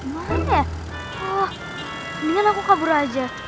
mendingan aku kabur aja